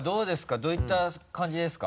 どういった感じですか？